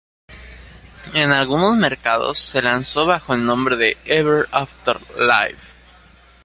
En algunos mercados se lanzó bajo el nombre de "Ever After: Live".